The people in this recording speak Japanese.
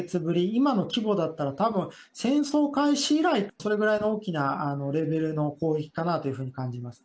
今の規模だったらたぶん、戦争開始以来、それぐらいの大きなレベルの攻撃かなというふうに感じます。